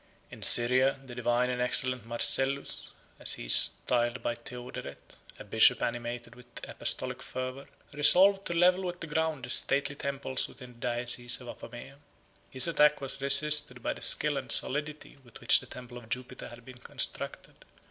In Syria, the divine and excellent Marcellus, 31 as he is styled by Theodoret, a bishop animated with apostolic fervor, resolved to level with the ground the stately temples within the diocese of Apamea. His attack was resisted by the skill and solidity with which the temple of Jupiter had been constructed.